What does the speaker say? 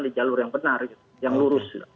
di jalur yang benar yang lurus